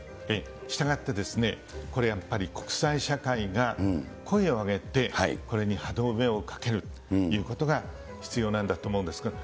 したがってこれやっぱり、国際社会が声を上げて、これに歯止めをかけるということが必要なんだと思うんですけれども。